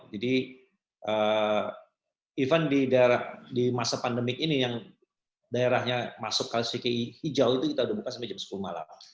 jadi even di masa pandemik ini yang daerahnya masuk kalisiki hijau itu kita udah buka sampai jam sepuluh malam